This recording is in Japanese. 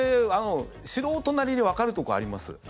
素人なりにわかるとこあります。